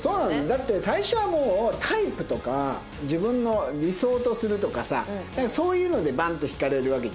だって最初はもうタイプとか自分の理想とするとかさなんかそういうのでバン！って惹かれるわけじゃん。